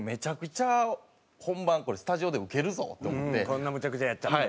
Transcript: こんなむちゃくちゃやっちゃって。